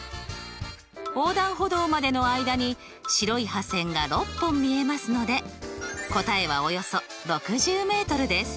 横断歩道までの間に白い破線が６本見えますので答えはおよそ６０ｍです。